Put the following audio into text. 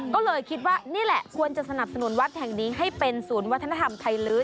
ก็เลยคิดว่านี่แหละควรจะสนับสนุนวัดแห่งนี้ให้เป็นศูนย์วัฒนธรรมไทยลื้อ